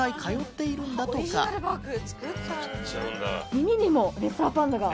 耳にもレッサーパンダが。